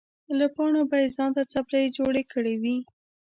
له پاڼو به یې ځان ته څپلۍ جوړې کړې وې.